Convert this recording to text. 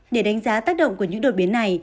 để đánh giá tác động của những đột biến này